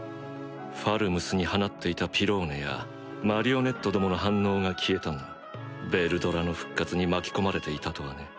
ファルムスに放っていたピローネやマリオネットどもの反応が消えたがヴェルドラの復活に巻き込まれていたとはね